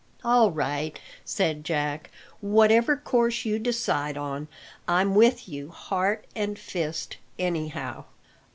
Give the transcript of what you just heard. "All right," said Jack "whatever course you decide on, I'm with you heart and fist, anyhow."